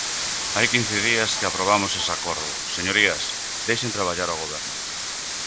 Hai quince días que aprobamos ese acordo, señorías, deixen traballar o Goberno.